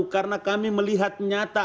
karena kami melihat nyata